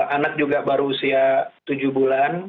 anak juga baru usia tujuh bulan